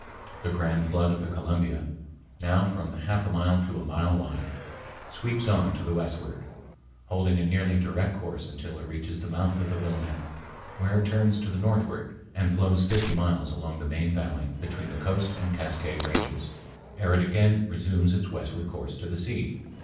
The grand flood of the Columbia, now from half a mile to a mile wide, sweeps on to the westward, holding a nearly direct course until it reaches the mouth of the Willamette, where it turns to the northward and flows fifty miles along the main valley between the Coast and Cascade Ranges ere it again resumes its westward course to the sea.